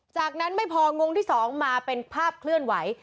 จากนั้นไม่พองงที่๒มาเป็นภาพเคลื่อนไหว